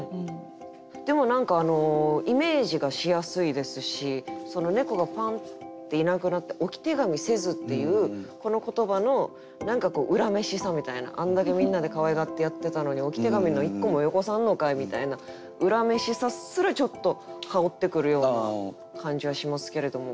でも何かイメージがしやすいですしその猫がファンッていなくなって「置手紙せず」っていうこの言葉の何か恨めしさみたいなあんだけみんなでかわいがってやってたのに「置手紙の１個もよこさんのかい」みたいな恨めしさすらちょっと薫ってくるような感じはしますけれども。